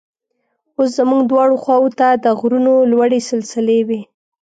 اوس زموږ دواړو خواو ته د غرونو لوړې سلسلې وې.